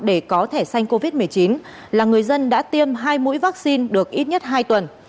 để có thể xanh covid một mươi chín là người dân đã tiêm hai mũi vaccine được ít nhất hai tuần